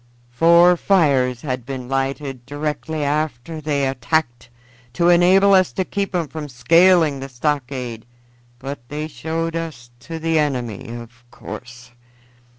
Four fires had been lighted directly they attacked to enable us to keep 'em from scaling the stockade, but they showed us to the enemy, of course.